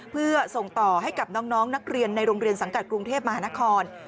เพื่อส่งต่อให้กับน้องนักเรียนในโรงเรียนสังกัดกรุงเทพมหานคร